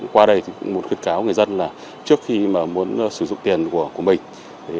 qua đây một khuyến cáo người dân là trước khi mà muốn sử dụng tiền của mình